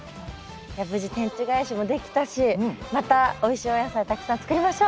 無事天地返しもできたしまたおいしいお野菜たくさん作りましょう！